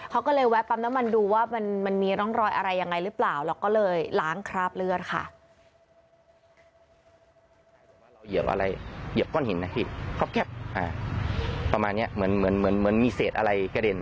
เขาก็เลยแวะปั๊บแล้วมันดูว่ามันมีร่องรอยอะไรอย่างไรหรือเปล่า